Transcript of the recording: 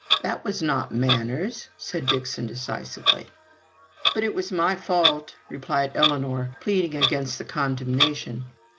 "That was not manners," said Dixon, decisively. "But it was my fault," replied Ellinor, pleading against the condemnation.